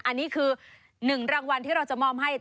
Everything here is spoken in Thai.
อันนี้คือ๑รางวัลที่เราจะมอบให้